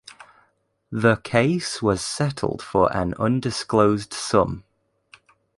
The case was settled for an undisclosed sum.